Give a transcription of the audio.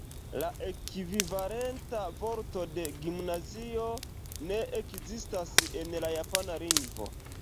La ekvivalenta vorto de "gimnazio" ne ekzistas en la Japana lingvo.